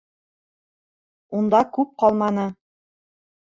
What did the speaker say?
Унда күп ҡалманы.